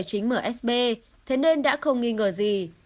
chính msb thế nên đã không nghi ngờ gì